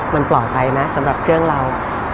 มันปลอดภัยไหมสำหรับเรื่องเรา